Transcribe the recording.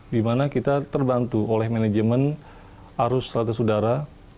dimana kita terbantu oleh manajemen arus rata sudara